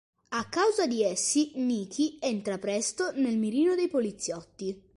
A causa di essi, Nicky entra presto nel mirino dei poliziotti.